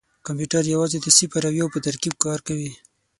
کمپیوټر یوازې د صفر او یو په ترکیب کار کوي.